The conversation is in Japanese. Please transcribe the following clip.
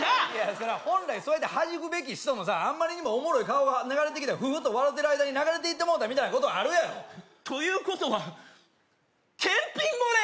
それは本来そうやってはじくべき人もさあんまりにもおもろい顔が流れてきて「ふふっ」と笑うてる間に流れていってもうたみたいなことあるやろ？ということは検品漏れ！？